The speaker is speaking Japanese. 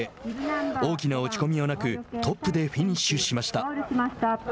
大きな落ち込みはなくトップでフィニッシュしました。